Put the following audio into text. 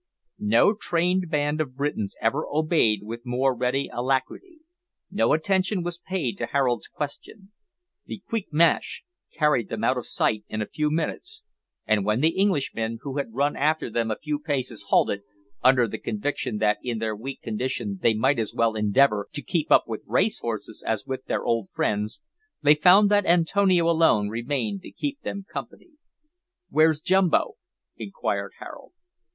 No trained band of Britons ever obeyed with more ready alacrity. No attention was paid to Harold's questions. The "queek mash" carried them out of sight in a few minutes, and when the Englishmen, who had run after them a few paces, halted, under the conviction that in their weak condition they might as well endeavour to keep up with race horses as with their old friends, they found that Antonio alone remained to keep them company. "Where's Jumbo?" inquired Harold.